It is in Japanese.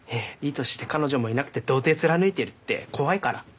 いい年して彼女もいなくて童貞貫いてるって怖いから。